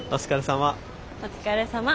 お疲れさま。